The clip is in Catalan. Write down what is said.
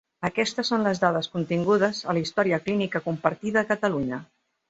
Aquestes són les dades contingudes a la història clínica compartida a Catalunya.